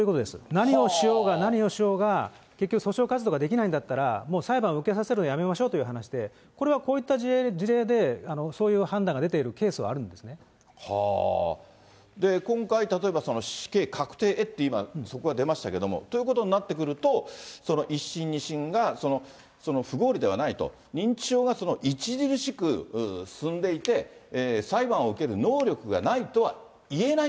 何をしようが、何をしようが、結局訴訟活動ができないんだったら、もう裁判受けさせるのをやめましょうという話で、これはこういった事例でそういう判断が出ているケースはあるんで今回、例えば死刑確定へって今、速報が出ましたけれども、ということになってくると、その１審、２審が不合理ではないと、認知症が著しく進んでいて、裁判を受ける能力がないとはいえない。